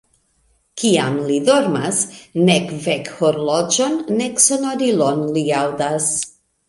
Kiam li dormas, nek vekhorloĝon, nek sonorilon li aŭdas.